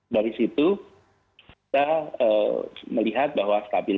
dari situ kita melihat bahwa stabilitas